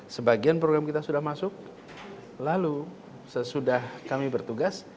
sebagian program kita sudah masuk lalu sesudah kami bertugas